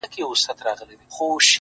ما خو دا ټوله شپه!!